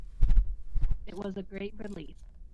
It was a great relief